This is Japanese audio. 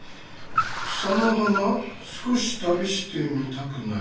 「草の花少し旅してみたくなり」。